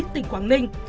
tỉnh quảng ninh